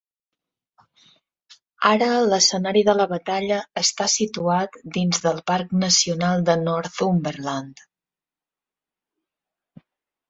Ara l'escenari de la batalla està situat dins del Parc Nacional de Northumberland.